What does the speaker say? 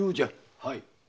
はい。